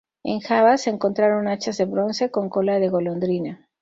En Java se encontraron hachas de bronce con cola de golondrina.